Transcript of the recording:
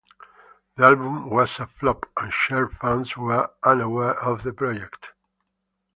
The album was a flop and Cher fans were unaware of the project.